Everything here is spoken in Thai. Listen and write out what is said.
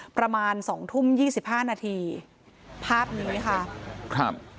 ประมาณสองทุ่มยี่สิบห้านาทีภาพนี้ค่ะครับ